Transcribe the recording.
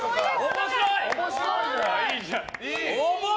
面白い！